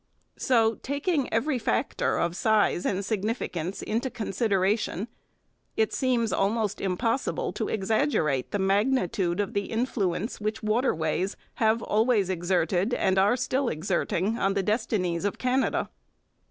So, taking every factor of size and significance into consideration, it seems almost impossible to exaggerate the magnitude of the influence which waterways have always exerted, and are still exerting, on the destinies of Canada.